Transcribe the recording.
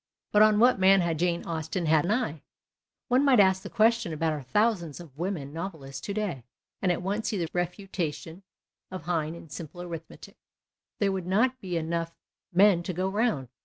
But on Avhat man had Jane Austen an eye ? One might ask the question about our thousands of women novelists to day, and at once see the refutation of Heine in simple arithmetic ; there would not be enough men to go round.